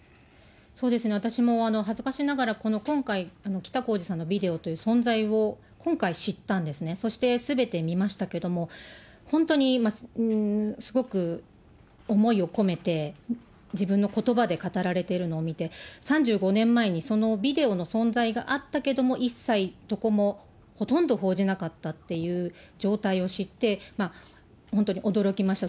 そうですね、私も恥ずかしながら今回、北公次さんのビデオという存在を、今回知ったんですね、そしてすべて見ましたけれども、本当にすごく思いを込めて、自分のことばで語られているのを見て、３５年前にそのビデオの存在があったけども、一切どこもほとんど報じなかったっていう状態を知って、本当に驚きました。